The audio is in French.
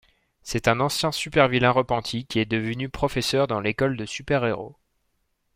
C'est un ancien super-vilain repenti qui est devenu professeur dans l'école de super-héros.